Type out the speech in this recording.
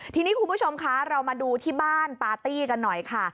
ทีนี้คุณผู้ชมคะเรามาดูที่บ้านปาร์ตี้กันหน่อยค่ะ